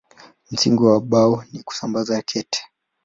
Msingi wa Bao ni kusambaza kete.